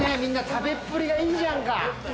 食べっぷりがいいじゃんか。